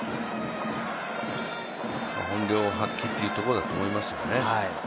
本領発揮というところだと思いますけどね。